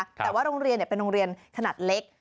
แต่ว่าโรงเรียนเป็นโรงเรียนขนาดเล็ก